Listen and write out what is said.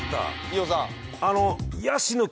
飯尾さん。